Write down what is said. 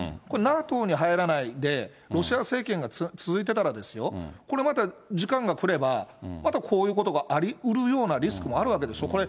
これ、ＮＡＴＯに入らないで、ロシア政権が続いてたら、これまた時間が来れば、またこういうことがありうるようなリスクもあるわけでしょ。